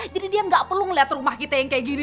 jadi dia gak perlu ngeliat rumah kita yang kaya gini